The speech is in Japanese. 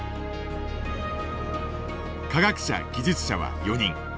科学者技術者は４人。